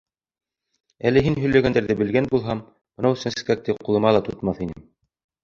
— Әле һин һөйләгәндәрҙе белгән булһам, бынау сәнскәкте ҡулыма ла тотмаҫ инем.